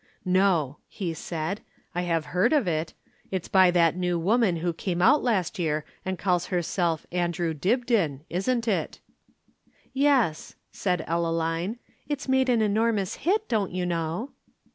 "No," he said, "I have heard of it. It's by that new woman who came out last year and calls herself Andrew Dibdin, isn't it?" "Yes," said Ellaline. "It's made an enormous hit, don't you know."